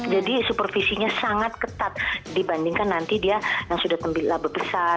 jadi supervisinya sangat ketat dibandingkan nanti dia yang sudah lebih besar